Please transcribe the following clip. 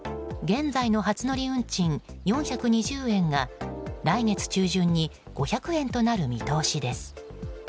現在の初乗り運賃４２０円が来月中旬に５００円となる見通しです。